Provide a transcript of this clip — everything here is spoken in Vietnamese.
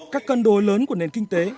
các cân đối lớn của nền kinh tế